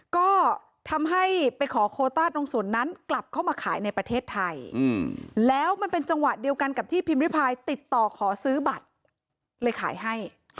ก็ทำให้ไปขอโคต้าตรงส่วนนั้นกลับเข้ามาขายในประเทศไทยแล้วมันเป็นจังหวะเดียวกันกับที่พิมพิพายติดต่อขอซื้อบัตรเลยขายให้